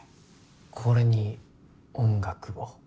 これに音楽を？